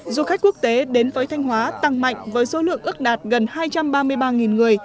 du khách quốc tế đến với thanh hóa tăng mạnh với số lượng ước đạt gần hai trăm ba mươi ba người